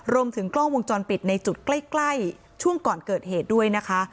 รวมถึงกล้องวงจรปิดในจุดใกล้ช่วงก่อนเกิดเหตุด้วยนะคะ